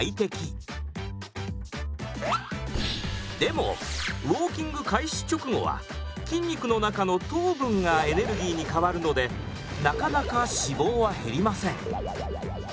でもウオーキング開始直後は筋肉の中の糖分がエネルギーに変わるのでなかなか脂肪は減りません。